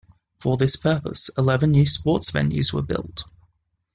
For this purpose, eleven new sports venues were built.